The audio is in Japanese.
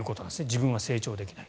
自分は成長できない。